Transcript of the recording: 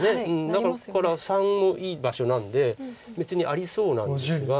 だから③もいい場所なんで別にありそうなんですが。